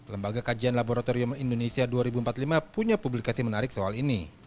lembaga kajian laboratorium indonesia dua ribu empat puluh lima punya publikasi menarik soal ini